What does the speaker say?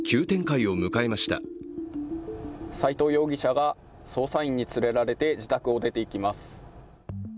斉藤容疑者が捜査員に連れられて、自宅を出ていきます。